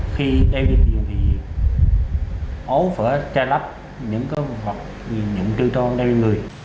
khi đeo điện tường thì